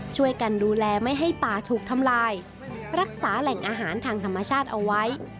ช่วยกันดูแลไม่ให้ป่าถูกทำลายรักษาแหล่งอาหารทางธรรมชาติเอาไว้